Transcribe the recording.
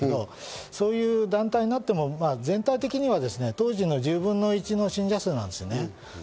そういう団体になっても全体的には当時の１０分の１の信者数なんです。